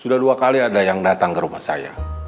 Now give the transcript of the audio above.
sudah dua kali ada yang datang ke rumah saya